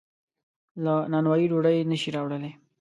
له نانوایۍ ډوډۍ نشي راوړلی.